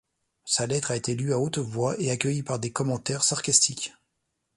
Sa lettre a été lue à haute voix et accueillie par des commentaires sarcastiques.